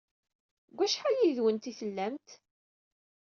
Deg wacḥal yid-went ay tellamt?